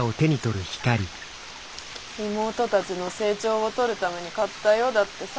妹たちの成長を撮るために買ったよだってさ。